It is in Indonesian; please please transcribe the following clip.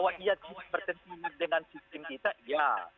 bahwa ia berkaitan dengan sistem kita ya